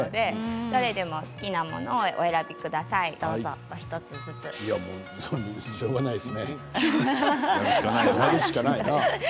どれでも好きなものをお選びくださいしょうがないですね。